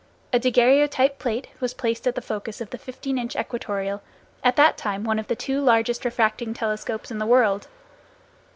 A daguerreotype plate was placed at the focus of the 15 inch equatorial, at that time one of the two largest refracting telescopes in the world.